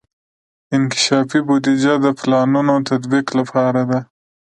انکشافي بودیجه د پلانونو تطبیق لپاره ده.